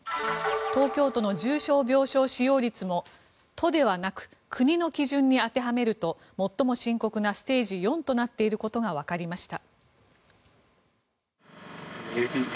東京都の重症病床使用率も都ではなく国の基準に当てはめると最も深刻なステージ４となっていることがわかりました。